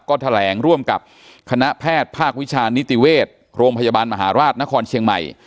ก็แถลงร่วมกับคณะแพทย์ภาควิชานิติเวชโรงพยาบาลมหาราชนครเชียงใหม่